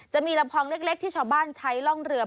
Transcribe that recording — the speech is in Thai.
จะมีลำพองเล็กที่ชาวบ้านใช้ร่องเรือ